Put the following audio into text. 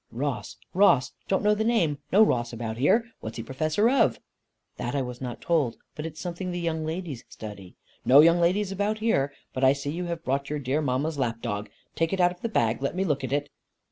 "Ross, Ross! Don't know the name. No Ross about here. What's he Professor of?" "That I was not told. But it is something the young ladies study." "No young ladies about here. But I see you have brought your dear mamma's lapdog. Take it out of the bag. Let me look at it."